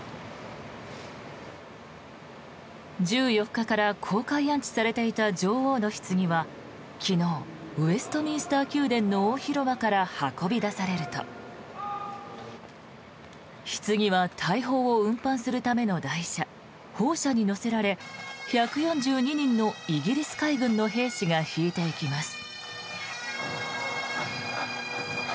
１４日から公開安置されていた女王のひつぎは昨日、ウェストミンスター宮殿の大広間から運び出されるとひつぎは大砲を運搬するための台車砲車に載せられ１４２人のイギリス海軍の兵士が引いていきます。